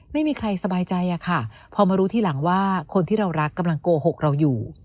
ไม่มีใครสบายใจอะค่ะพอมารู้ทีหลังว่าคนที่เรารักกำลังโกหกเราอยู่